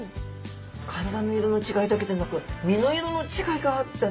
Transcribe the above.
体の色の違いだけでなく身の色の違いがあったって。